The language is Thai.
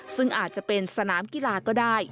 ซึ่งอาจจะเป็นสนามกีฬาก็ได้